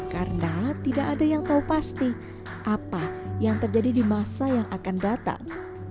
karena tidak ada yang tahu pasti apa yang terjadi di masa yang akan datang